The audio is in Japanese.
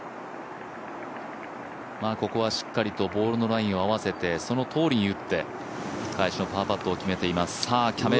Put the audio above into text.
ここはしっかりとボールのラインを合わせて返しのパーパットを決めています。